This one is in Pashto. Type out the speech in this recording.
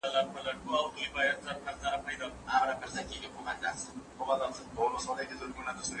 دولت باید د پانګوالو امنیت تامین کړي.